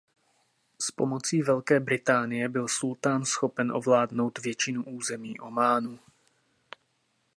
S pomocí Velké Británie byl sultán schopen ovládnout většinu území Ománu.